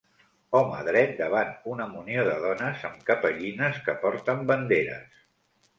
Home dret davant una munió de dones amb capellines que porten banderes.